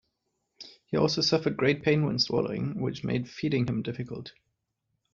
He also suffered great pain when swallowing, which made feeding him difficult.